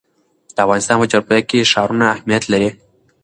د افغانستان په جغرافیه کې ښارونه اهمیت لري.